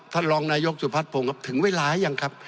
ท่านรองนายกสุพัฒนพงศ์ครับถึงเวลายังครับ